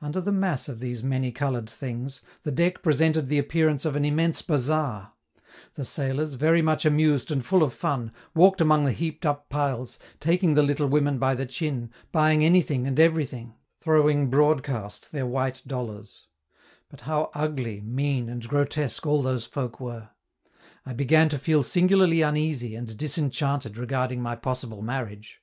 Under the mass of these many colored things, the deck presented the appearance of an immense bazaar; the sailors, very much amused and full of fun, walked among the heaped up piles, taking the little women by the chin, buying anything and everything; throwing broadcast their white dollars. But how ugly, mean, and grotesque all those folk were! I began to feel singularly uneasy and disenchanted regarding my possible marriage.